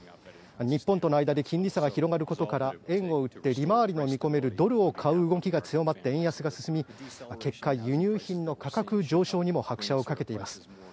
日本との間で金利差が広がることから円を売って利回りを見込めるドルを買う動きが強まって、円安が進み結果、輸入品の価格上昇にも拍車をかけています。